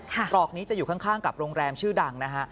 ตรอกนี้จะอยู่ข้างกับโรงแรมชื่อดังนะฮะ